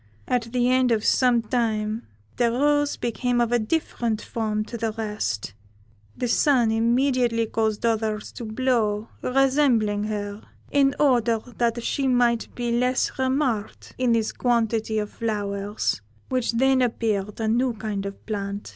At the end of some time the rose became of a different form to the rest; the Sun immediately caused others to blow, resembling her, in order that she might be less remarked in this quantity of flowers, which then appeared a new kind of plant.